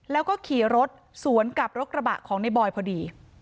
แล้วก็ขี่รถสวนกับรถกระบะของในบอยพอดี